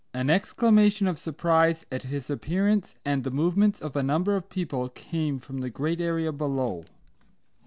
An exclamation of surprise at his appearance, and the movements of a number of people came from the great area below.